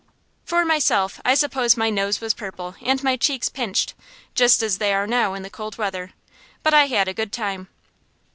For myself, I suppose my nose was purple and my cheeks pinched, just as they are now in the cold weather; but I had a good time.